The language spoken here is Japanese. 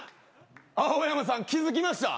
青山さん気付きました？